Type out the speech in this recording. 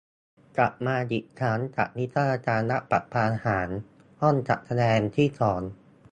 กลับมาอีกครั้งกับ 'นิทรรศรัฐประหาร' ห้องจัดแสดงที่สอง